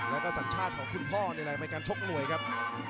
และก็สัญชาติของคุณพ่อในแหล่งการชกหน่วยครับ